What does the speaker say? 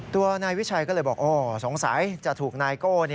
ตัวนายวิชัยก็เลยบอกสงสัยจะถูกนายโก้